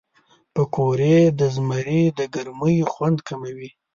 پکورې د زمري د ګرمۍ خوند کموي